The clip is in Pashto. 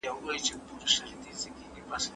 که تاریخ په دقت ولولې حقیقت به ومومې.